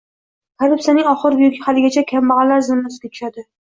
Korrupsiyaning oxirgi yuki haligacha kambag'allar zimmasiga tushadi